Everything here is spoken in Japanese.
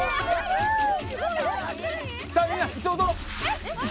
さあみんな一緒に踊ろう！